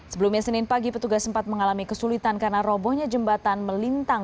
sebelumnya senin pagi petugas sempat mengalami kesulitan karena robohnya jembatan melintang